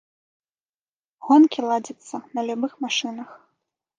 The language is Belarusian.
Гонкі ладзяцца на любых машынах.